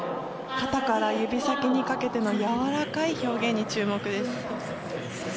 肩から指先にかけてのやわらかい表現に注目です。